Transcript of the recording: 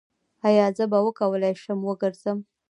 ایا زه به وکولی شم وګرځم؟